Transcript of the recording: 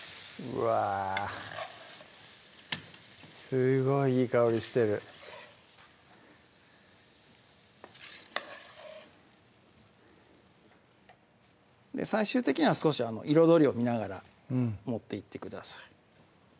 すごいいい香りしてる最終的には少し彩りを見ながら盛っていってください